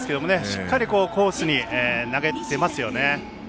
しっかり、コースに投げ切っていますよね。